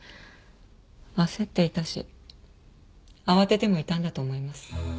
焦っていたし慌ててもいたんだと思います。